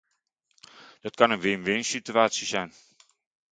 Dit kan een win-winsituatie zijn.